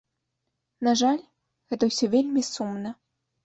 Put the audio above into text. На жаль, гэта ўсё вельмі сумна.